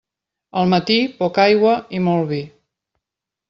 Al matí, poca aigua i molt vi.